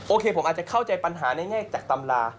โอเคผมอาจจะเข้าใจปัญหาในแง่จากตำรา